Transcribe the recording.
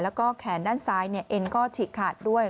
แล้วก็แขนด้านซ้ายเอ็นก็ฉีกขาดด้วย